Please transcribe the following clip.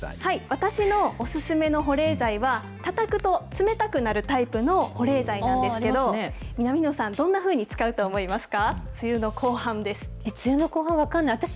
私のお勧めの保冷剤は、たたくと冷たくなるタイプの保冷剤なんですけど、南野さん、どんなふうに使うと思いますか？